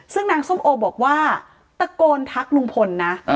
ซึ่งนางส้มโอบอกว่าตะโกนทักลุงพลนะ